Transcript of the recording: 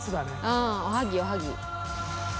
うんおはぎおはぎ。